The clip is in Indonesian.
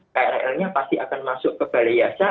krl nya pasti akan masuk ke balai yasa